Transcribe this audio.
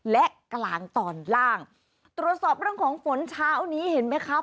และกลางตอนล่างตรวจสอบเรื่องของฝนเช้านี้เห็นไหมคะ